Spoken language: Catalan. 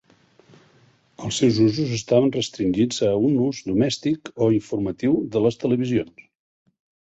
Els seus usos estaven restringits a un ús domèstic o informatiu de les televisions.